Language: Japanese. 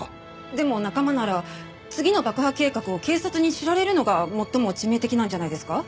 でも仲間なら次の爆破計画を警察に知られるのが最も致命的なんじゃないですか？